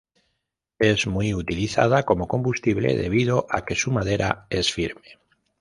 Es muy utilizada como combustible, debido a que su madera es firme.